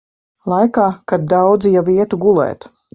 Laikā, kad daudzi jau ietu gulēt.